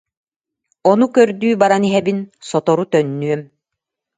Ону көрдүү баран иһэбин, сотору төннүөм